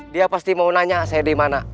dia pasti mau nanya saya dimana